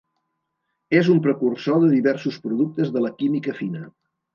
És un precursor de diversos productes de la química fina.